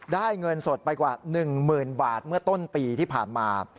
เงินสดไปกว่า๑๐๐๐บาทเมื่อต้นปีที่ผ่านมา